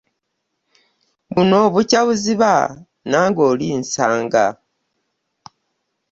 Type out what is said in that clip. Buno obukya buziba nange olinsanga.